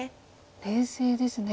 冷静ですね。